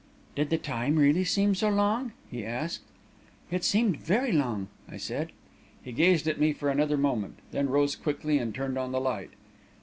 "'Did the time really seem so long?' he asked. "'It seemed very long,' I said. "He gazed at me for another moment, then rose quickly and turned on the light.